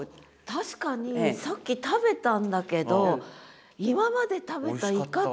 確かにさっき食べたんだけど今まで食べたイカと。